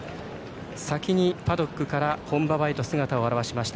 先にパドックから本馬場へと姿を現しました。